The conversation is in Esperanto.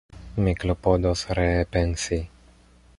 Mi klopodos ree pensi.